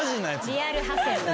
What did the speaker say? リアルハセン。